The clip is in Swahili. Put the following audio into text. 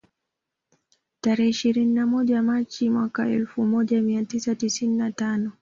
Tarehe ishirini na moja Machi mwaka elfu moja mia tisa tisini na tano